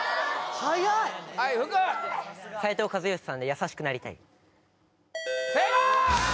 はい福斉藤和義さんで「やさしくなりたい」正解！